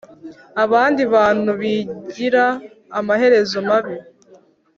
abandi Abantu bigira amaherezo mabi